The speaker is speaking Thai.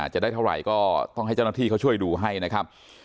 จะได้เท่าไหร่ก็ต้องให้เจ้าหน้าที่เขาช่วยดูให้นะครับ